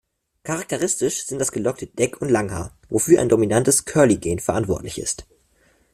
Charakteristisch sind das gelockte Deck- und Langhaar, wofür ein dominantes „Curly-Gen“ verantwortlich ist.